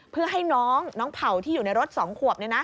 เพื่อให้น้องเผ่าที่อยู่ในรถ๒ขวบ